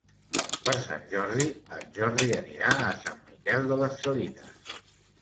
Per Sant Jordi en Jordi anirà a Sant Miquel de les Salines.